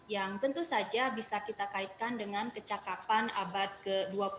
yang tentu saja bisa kita kaitkan dengan kecakapan abad ke dua puluh